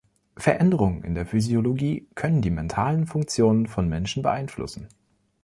Veränderungen in der Physiologie können die mentalen Funktionen von Menschen beeinflussen.